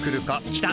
来た！